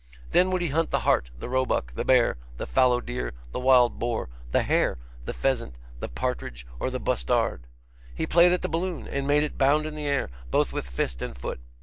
Then would he hunt the hart, the roebuck, the bear, the fallow deer, the wild boar, the hare, the pheasant, the partridge, and the bustard. He played at the balloon, and made it bound in the air, both with fist and foot.